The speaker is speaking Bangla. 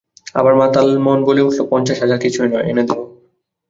আমার মাতাল মন বলে উঠল, পঞ্চাশ হাজার কিছুই নয়, এনে দেব!